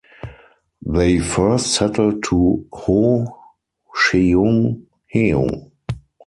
They first settled at Ho Sheung Heung.